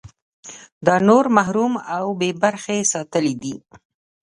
ده نور محروم او بې برخې ساتلي دي.